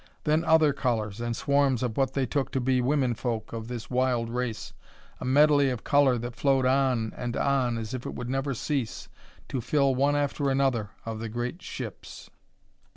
Then other colors, and swarms of what they took to be women folk of this wild race a medley of color that flowed on and on as if it would never cease, to fill one after another of the great ships.